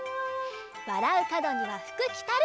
「わらうかどにはふくきたる」！